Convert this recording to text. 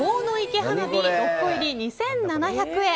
鴻池花火、６個入り２７００円。